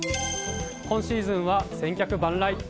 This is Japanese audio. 今シーズンは千客万来！？